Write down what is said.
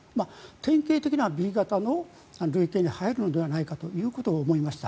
典型的なＢ型の類型に入るのではないかということを思いました。